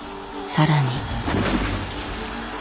更に。